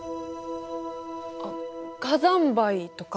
あっ火山灰とか？